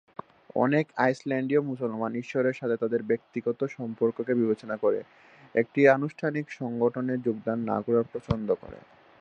অনেক আইসল্যান্ডীয় মুসলমান ঈশ্বরের সাথে তাদের ব্যক্তিগত সম্পর্ককে বিবেচনা করে একটি আনুষ্ঠানিক সংগঠনে যোগদান না করা পছন্দ করে।